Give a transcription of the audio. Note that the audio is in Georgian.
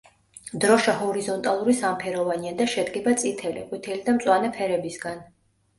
დროშა ჰორიზონტალური სამფეროვანია და შედგება წითელი, ყვითელი და მწვანე ფერებისგან.